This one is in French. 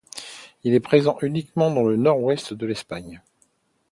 Il est présent uniquement dans le nord-ouest de l’Espagne.